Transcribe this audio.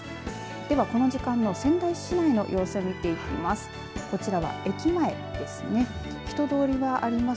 では、この時間の仙台市内の様子を見ていきます。